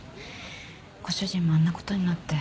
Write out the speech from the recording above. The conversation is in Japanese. ご主人もあんなことになって。